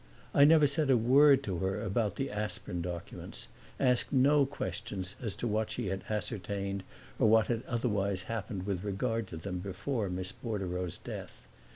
I said never a word to her about the Aspern documents; asked no questions as to what she had ascertained or what had otherwise happened with regard to them before Miss Bordereau's death.